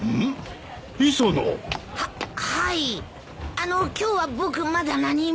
あの今日は僕まだ何も。